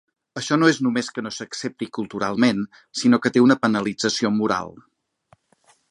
Això no és només que no s'accepti culturalment, sinó que té una penalització moral.